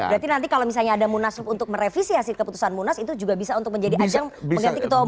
berarti nanti kalau misalnya ada munaslup untuk merevisi hasil keputusan munas itu juga bisa untuk menjadi ajang mengganti ketua umum